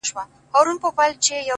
اوس مي د هغي دنيا مير ويده دی.!